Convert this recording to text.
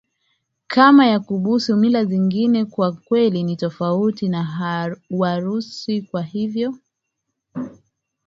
kama ya busu Mila zingine kwa kweli ni tofauti na Warusi Kwa hivyo